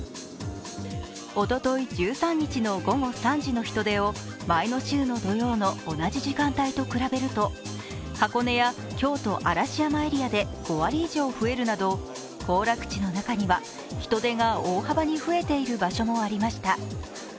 おととい１３日の午後３時の人出を前の週の土曜の同じ時間帯と比べると箱根や京都・嵐山エリアで５割以上増えるなど、行楽地の中には人出が大幅に増えている場所もありました。